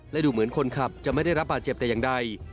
และดูเหมือนคนขับจะไม่ได้รับบาดเจ็บแต่อย่างใด